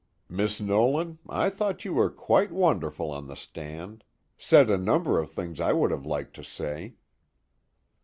"Miss Nolan, I thought you were quite wonderful on the stand said a number of things I would have liked to say."